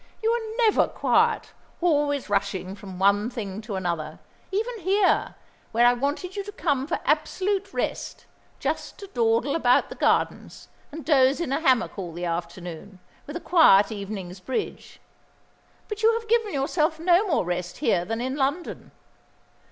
"You are never quiet; always rushing from one thing to another; even here, where I wanted you to come for absolute rest, just to dawdle about the gardens, and doze in a hammock all the afternoon, with a quiet evening's bridge. But you have given yourself no more rest here than in London.